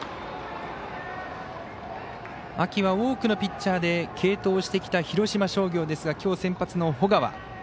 秋は多くのピッチャーで継投してきた広島商業ですがきょう先発の保川。